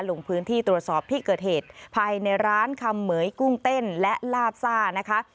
ลงพื้นที่ตรวจสอบที่เกิดเหตุภายในร้านคำเหมยกุ้งเต้นและลาบซ่านะคะ